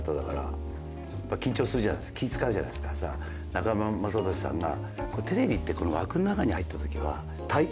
中村雅俊さんが。